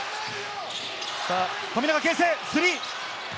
富永啓生、スリー！